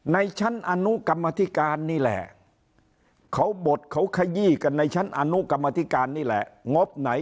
ในชั้นอนุกรรมธิการนี่แหละเขาบดเขาขยี้กันในชั้นอนุกรรมธิการนี่แหละงบไหน